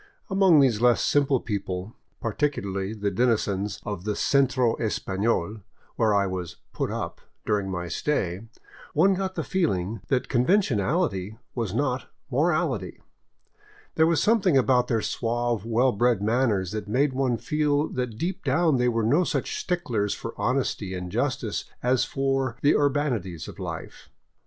Among these less simple people, particularly the denizens of the " Centro Espafiol," where I was " put up " during my stay, one got the feeling that conventionality was not morality; there was something about their suave, well bred manners that made one feel that deep down they were no such sticklers for honesty and justice as for the ur banities of life.